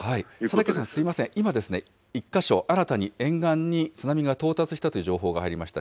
佐竹さん、すみません、今ですね、１か所、新たに沿岸に津波が到達したという情報が入りました。